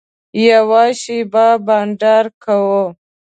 یوه شېبه بنډار کوو.